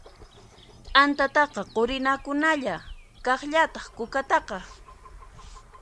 T'antataqa qurinakunalla, kaqllataq kukataqa.